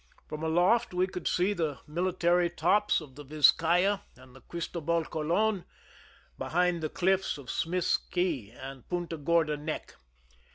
From aloft we could see the military tops of the Vizcaya and the Cristobal Colon^ behind the cliffs of Smith Cay and Punta Gorda Neck.